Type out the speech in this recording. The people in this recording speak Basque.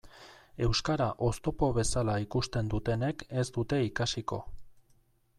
Euskara oztopo bezala ikusten dutenek ez dute ikasiko.